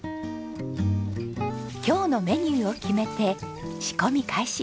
今日のメニューを決めて仕込み開始。